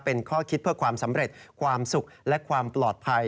เป็นข้อคิดเพื่อความสำเร็จความสุขและความปลอดภัย